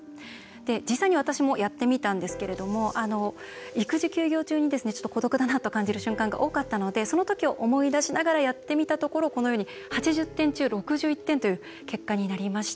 実際に私もやってみたんですが育児休業中に孤独だと感じる瞬間があったのでその時を思い出しながらやってみたところ８０点中６１点という結果でした。